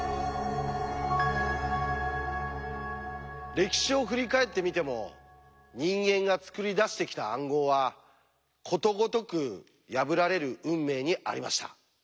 歴史を振り返ってみても人間が作り出してきた暗号はことごとく破られる運命にありました。